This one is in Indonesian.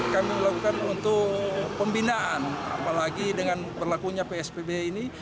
kami lakukan untuk pembinaan apalagi dengan berlakunya psbb ini